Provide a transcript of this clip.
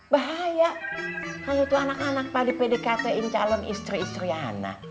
bahaya kalau anak anak pada pdkt ini calon istri istri anak